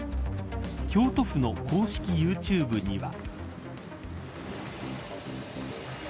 京都府の公式ユーチューブには。